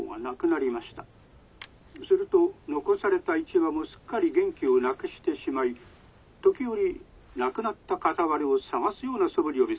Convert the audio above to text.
すると残された一羽もすっかり元気をなくしてしまい時折亡くなった片割れを探すようなそぶりを見せます。